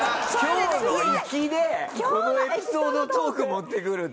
今日の行きでこのエピソードトーク持ってくるって。